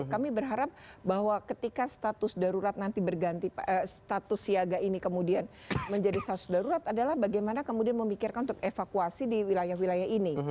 kami berharap bahwa ketika status darurat nanti berganti status siaga ini kemudian menjadi status darurat adalah bagaimana kemudian memikirkan untuk evakuasi di wilayah wilayah ini